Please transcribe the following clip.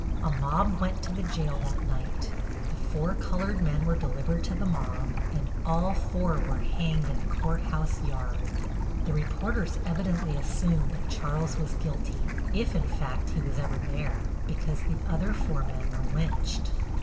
A mob went to the jail that night, the four colored men were delivered to the mob, and all four were hanged in the court house yard. The reporters evidently assumed that Charles was guilty, if, in fact, he was ever there, because the other four men were lynched.